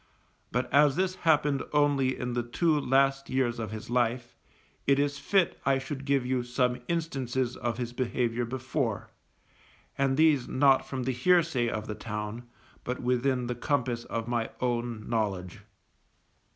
But as this happened only in the two last years of his life, it is fit I should give you some instances of his behaviour before, and these not from the hearsay of the town, but within the compass of my own knowledge.